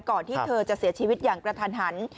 ที่เธอจะเสียชีวิตอย่างกระทันหัน